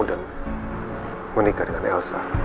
dan menikah dengan elsa